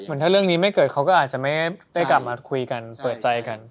ถ้าเรื่องนี้ไม่เกิดเขาก็อาจจะไม่ได้กลับมาคุยกันเปิดใจกัน